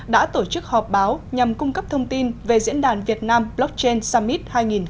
đã tổ chức họp báo nhằm cung cấp thông tin về diễn đàn việt nam blockchain summit hai nghìn một mươi chín